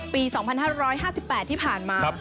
ปี๒๕๕๘ที่ผ่านมา